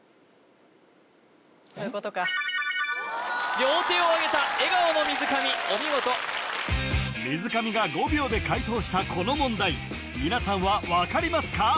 両手をあげた笑顔の水上お見事水上が５秒で解答したこの問題皆さんは分かりますか？